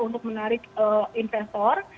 untuk menarik investor